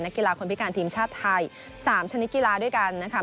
กีฬาคนพิการทีมชาติไทย๓ชนิดกีฬาด้วยกันนะคะ